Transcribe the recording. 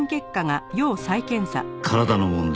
「体の問題」